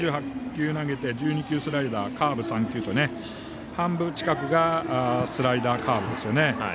２８球投げて１２球スライダーカーブ３球と半分近くがスライダー、カーブですよね。